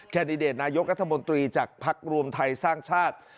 แดดิเดตนายกรัฐมนตรีจากภักดิ์รวมไทยสร้างชาติ